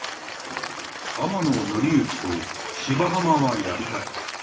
浜野のりゆきと芝浜はやりたい。